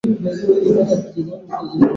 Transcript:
Ni usafi wa maji katika nchi zinazoendelea